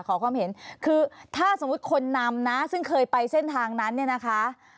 ขอความเห็นคือถ้าสมมุติคนนำนะซึ่งเคยไปเส้นทางนั้นเนี่ยนะคะ